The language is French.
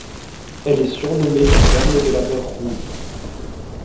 Elle est surnommée la perle de la mer Rouge.